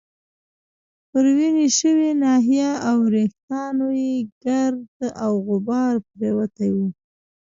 پر وینې شوې ناحیه او وریښتانو يې ګرد او غبار پرېوتی وو.